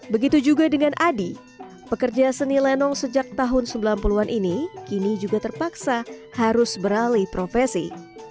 begitu juga dengan adi pekerja seni lenong sejak tahun sembilan puluh an ini kini juga terpaksa harus beralih profesi